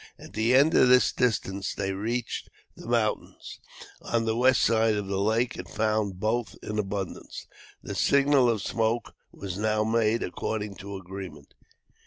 At the end of this distance they reached the mountains, on the west side of the lake, and found both in abundance. The signal of smoke was now made, according to agreement.